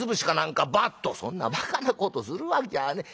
「そんなバカなことするわきゃねえ。